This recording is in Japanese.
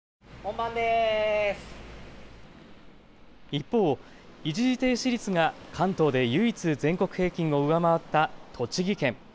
一方、一時停止率が関東で唯一、全国平均を上回った栃木県。